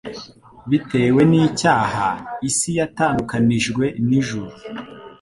Bitewe n'icyaha, isi yatandukanijwe n'ijuru,